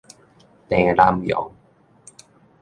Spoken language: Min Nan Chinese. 鄭南榕